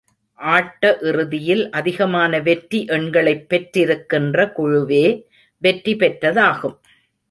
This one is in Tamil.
ஆட்ட இறுதியில், அதிகமான வெற்றி எண்களைப் பெற்றிருக்கின்ற குழுவே, வெற்றி பெற்றதாகும்.